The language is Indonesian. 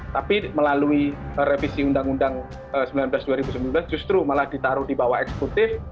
tapi melalui revisi undang undang sembilan belas dua ribu sembilan belas justru malah ditaruh di bawah eksekutif